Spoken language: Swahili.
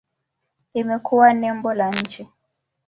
Imekuwa nembo la nchi.